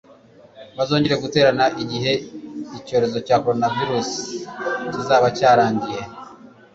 bazongera guterana igihe icyorezo cya coronavirus kizaba cyarangiye